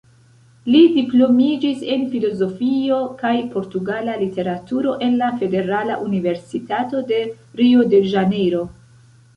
Li diplomiĝis en filozofio kaj portugala literaturo en la Federala Universitato de Rio-de-Ĵanejro.